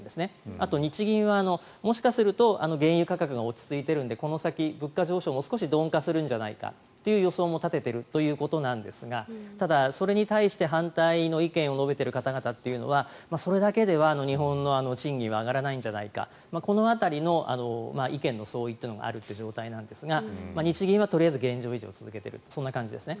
あと日銀は、もしかすると原油価格が落ち着いているのでこの先、物価上昇も少し鈍化するんじゃないかという予想も立てているということですがただそれに対して反対の意見を述べている方々というのはそれだけでは日本の賃金は上がらないんじゃないかこの辺りの意見の相違というのがあるという状態なんですが日銀はとりあえず現状維持を続けている感じですね。